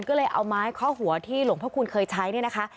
ก็เลยเอาไม้ข้อหัวที่หลวงพระคุณเคยใช้เนี่ยนะคะ